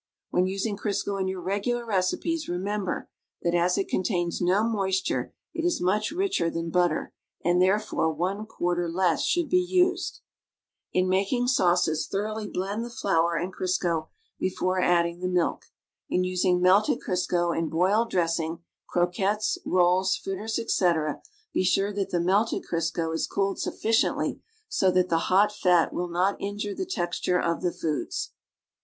When using Crisco in your regular recipes remember that as it contains no moislure it is nuieh richer ihan butter nnd, therefore, ,':( less should be used. In making sauces, thoroughly blend the flour and Crisco before adding the milk. In using melted Crisco in boiled dressintj, croquettes, rolls, fritters, etc., be sure*that the melted Crisco is cooled suffi ciently so that the hot fat will not injure the texture of the foods.